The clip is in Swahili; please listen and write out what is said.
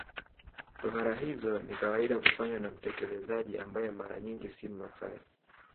Tohara hizo ni kawaida kufanywa na mtekelezaji ambaye mara nyingi si Mmasai